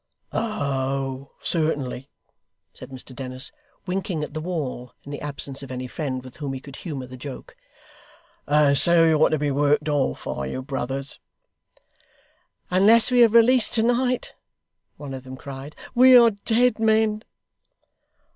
'Oh, certainly,' said Mr Dennis, winking at the wall in the absence of any friend with whom he could humour the joke. 'And so you're to be worked off, are you, brothers?' 'Unless we are released to night,' one of them cried, 'we are dead men!